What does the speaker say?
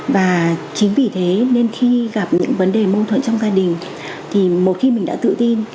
và chính vì thế nên khi gặp những vấn đề mâu thuẫn trong gia đình thì một khi mình đã tự tin